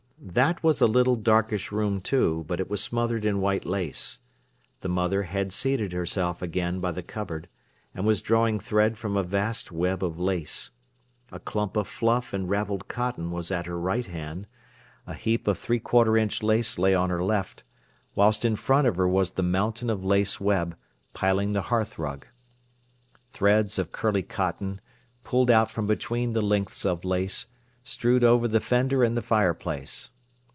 That was a little, darkish room too, but it was smothered in white lace. The mother had seated herself again by the cupboard, and was drawing thread from a vast web of lace. A clump of fluff and ravelled cotton was at her right hand, a heap of three quarter inch lace lay on her left, whilst in front of her was the mountain of lace web, piling the hearthrug. Threads of curly cotton, pulled out from between the lengths of lace, strewed over the fender and the fireplace.